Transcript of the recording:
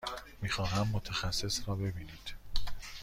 می خواهم متخصص را ببینید.